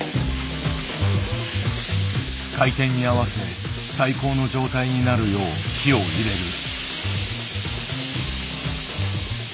開店に合わせ最高の状態になるよう火を入れる。